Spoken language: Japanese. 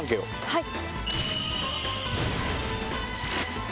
はい。